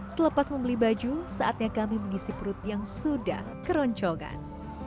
selepas membeli baju saatnya kami mengisi perut yang sudah keroncongan